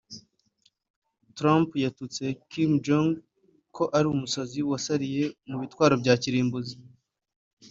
Trump yatutse Kim Jong ko ari umusazi wasariye mu bitwaro bya kirimbuzi